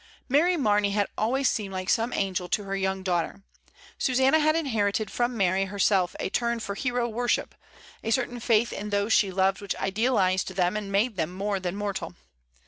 Mary Mamey had always seemed like some angel to her young daughter. Susanna had inherited from Mary her self a turn for hero worship, a certain faith in those she loved which idealised them and made them more than mortal.